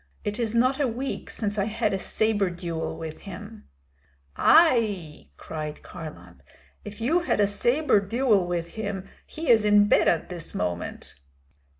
It is not a week since I had a sabre duel with him." "Ai!" cried Kharlamp. "If you had a sabre duel with him, he is in bed at this moment."